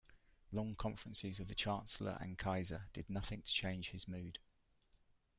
Long conferences with the Chancellor and Kaiser did nothing to change his mood.